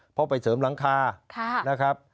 เพราะไปเสริมหลังคานะครับ